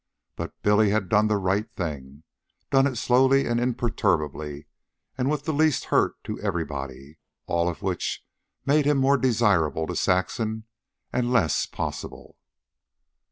But Billy had done the right thing done it slowly and imperturbably and with the least hurt to everybody. All of which made him more desirable to Saxon and less possible.